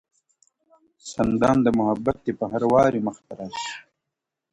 صندان د محبت دي په هر واري مخته راسي,